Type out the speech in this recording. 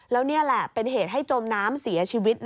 แล้วนี่แหละเป็นเหตุให้จมน้ำเสียชีวิต